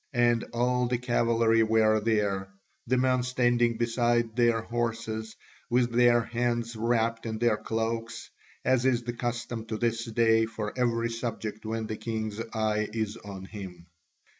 And all the cavalry were there, the men standing beside their horses, with their hands wrapped in their cloaks, as is the custom to this day for every subject when the king's eye is on him.